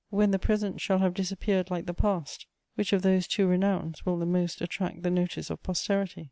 When the present shall have disappeared like the past, which of those two renowns will the most attract the notice of posterity?